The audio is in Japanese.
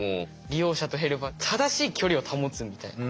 利用者とヘルパー正しい距離を保つみたいな。